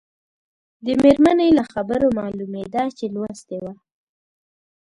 د مېرمنې له خبرو معلومېده چې لوستې وه.